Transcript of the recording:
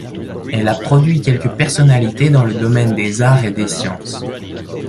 Elle a produit quelques personnalités dans le domaine des arts et des sciences.